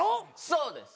そうです。